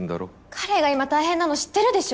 彼が今大変なの知ってるでしょ？